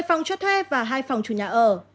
một phòng cho thuê và hai phòng chủ nhà ở